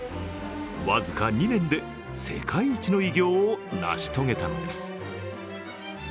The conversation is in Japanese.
僅か２年で世界一の偉業を成し遂げたのです。